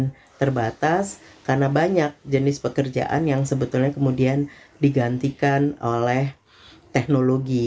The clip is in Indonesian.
yang terbatas karena banyak jenis pekerjaan yang sebetulnya kemudian digantikan oleh teknologi